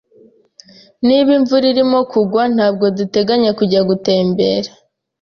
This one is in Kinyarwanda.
Niba imvura irimo kugwa, ntabwo duteganya kujya gutembera.